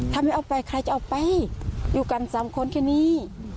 ถ้าไม่เอาไปใครจะเอาไปอยู่กันสามคนแค่นี้